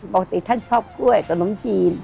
ปกติท่านชอบกล้วยขนมจีน